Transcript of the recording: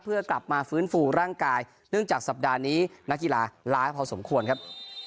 เพื่อกลับมาฟื้นฟูร่างกายเนื่องจากสัปดาห์นี้นักกีฬาร้ายพอสมควรครับ